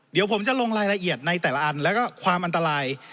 เดี๋ยวผมจะลงรายละเอียดในแต่ละอันแล้วก็ความอันตราย